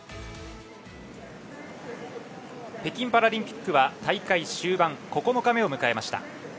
北京パラリンピックは大会終盤９日目を迎えました。